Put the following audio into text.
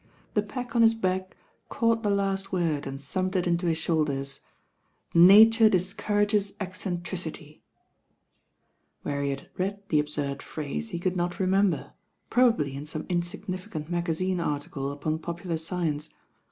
The pack on his back caught the last word and thumped it into his shoulders. "Nature discourages eccentridtyl" Where he had read the absurd phrase he could not remember, probably in some insignificant maga zine article upon popular science.